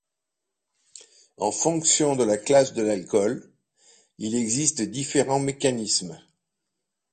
En fonction de la classe de l'alcool, il existe différents mécanismes.